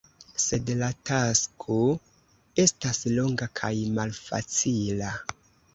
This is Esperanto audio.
Sed la tasko estas longa kaj malfacila.